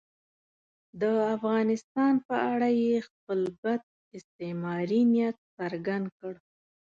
د افغانستان په اړه یې خپل بد استعماري نیت څرګند کړ.